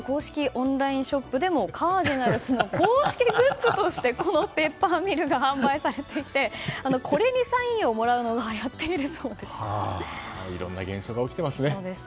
オンラインショップでもカージナルスの公式グッズとしてこのペッパーミルが販売されていてこれにサインをもらうのがいろんな現象が起きてますね。